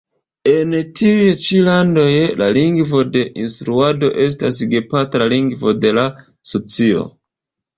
En tiuj ĉi landoj, la lingvo de instruado estas gepatra lingvo de la socio.